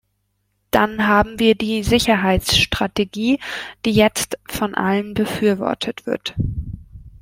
Dann haben wir die Sicherheitsstrategie, die jetzt von allen befürwortet wird.